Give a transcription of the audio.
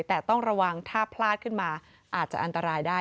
แต่ต้องระวังถ้าพลาดขึ้นมาอาจจะอันตรายได้